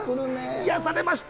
癒やされました。